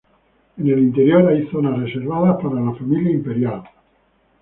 En el interior hay zonas reservadas para la familia imperial.